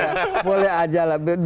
ya boleh aja lah